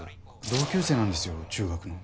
同級生なんですよ中学の。